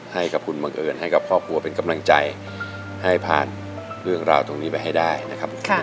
ให้กับคุณบังเอิญให้กับครอบครัวเป็นกำลังใจให้ผ่านเรื่องราวตรงนี้ไปให้ได้นะครับ